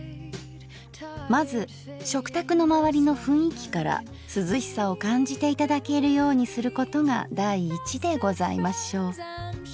まず食卓のまわりのふんいきから涼しさを感じて頂けるようにすることが第一でございましょう。